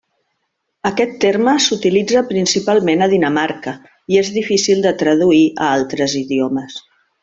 Aquest terme s'utilitza principalment a Dinamarca i és difícil de traduir a altres idiomes.